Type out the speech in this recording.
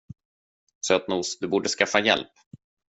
Sötnos, du borde skaffa hjälp.